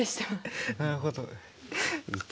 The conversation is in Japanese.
なるほど。